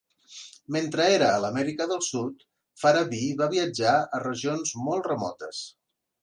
Mentre era a l'Amèrica del Sud, Farabee va viatjar a regions molt remotes.